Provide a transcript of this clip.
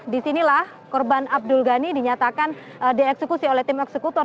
disinilah korban abdul ghani dinyatakan dieksekusi oleh tim eksekutor